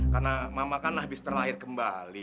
karena mama kan habis terlahir kembali